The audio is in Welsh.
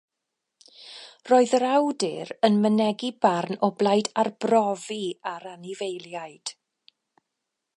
Roedd yr awdur yn mynegi barn o blaid arbrofi ar anifeiliaid